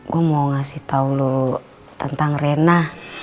gue mau ngasih tau lo tentang rena